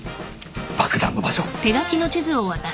爆弾の場所